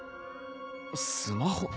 スマホ。